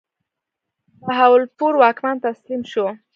بهاولپور واکمن تسلیم شو.